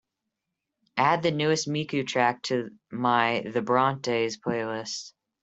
add the newest mikku track to my the brontës playlist